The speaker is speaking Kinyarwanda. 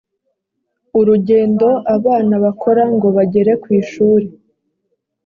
urugendo abana bakora ngo bagere ku ishuri